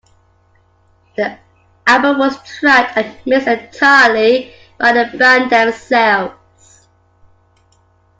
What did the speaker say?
The album was tracked and mixed entirely by the band themselves.